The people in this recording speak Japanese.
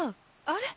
あれ？